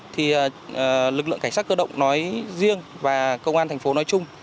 thì lực lượng cảnh sát cơ động nói riêng và công an thành phố nói chung